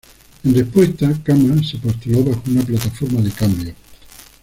En respuesta, Khama se postuló bajo una plataforma de cambio.